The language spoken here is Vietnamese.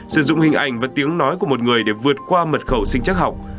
sử dụng hình ảnh và tiếng nói của một người để vượt qua mật khẩu sinh chắc học